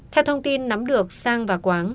theo thông tin nắm được sang và quán